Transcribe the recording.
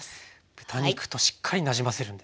豚肉としっかりなじませるんですね。